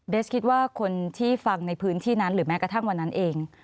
คิดว่าคนที่ฟังในพื้นที่นั้นหรือแม้กระทั่งวันนั้นเอง